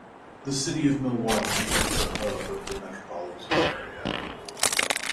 The city of Milwaukee is the hub of the metropolitan area.